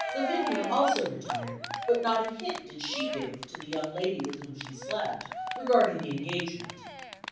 Lavinia also retired, but not a hint did she give to the young lady with whom she slept regarding the engagement.